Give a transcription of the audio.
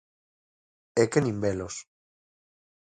É que nin velos.